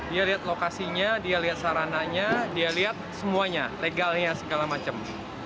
dia lihat lokasinya dia lihat sarananya dia lihat semuanya legalnya segala macam